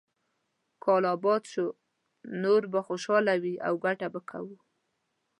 کال اباد شو، نور به خوشاله وي او ګټه به کوو.